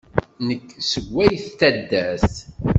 Nekk seg wayt taddart.